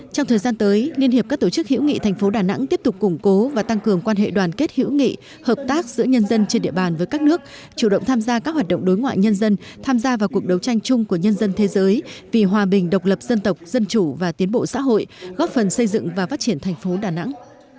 trong thời gian tới liên hiệp các tổ chức hữu nghị thành phố đà nẵng tiếp tục củng cố và tăng cường quan hệ đoàn kết hữu nghị hợp tác giữa nhân dân trên địa bàn với các nước chủ động tham gia các hoạt động đối ngoại nhân dân tham gia vào cuộc đấu tranh chung của nhân dân thế giới vì hòa bình độc lập dân tộc dân chủ và tiến bộ xã hội góp phần xây dựng và phát triển thành phố đà nẵng